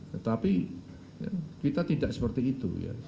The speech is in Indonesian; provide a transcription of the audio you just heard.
tetapi kita tidak seperti itu ya